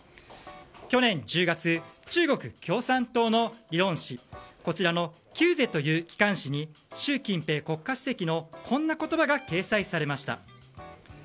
去年１０月、中国共産党の理論誌「求是」という機関誌に習近平国家主席のこんな言葉が掲載されました。